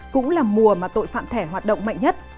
cũng là mùa mà tội phạm thẻ hoạt động mạnh nhất